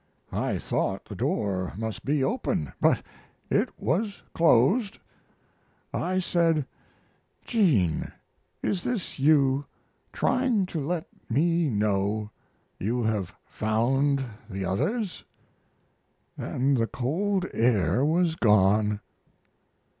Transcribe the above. I thought the door must be open; but it was closed. I said, 'Jean, is this you trying to let me know you have found the others?' Then the cold air was gone."